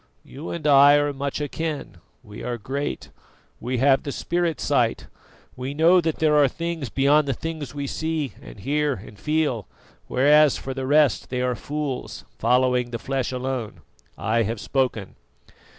You and I are much akin we are great; we have the spirit sight; we know that there are things beyond the things we see and hear and feel; whereas, for the rest, they are fools, following the flesh alone. I have spoken."